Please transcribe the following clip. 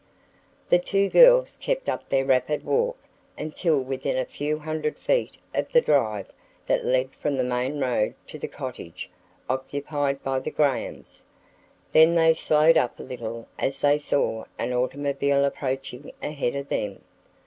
The two girls kept up their rapid walk until within a few hundred feet of the drive that led from the main road to the cottage occupied by the Grahams. Then they slowed up a little as they saw an automobile approaching ahead of them.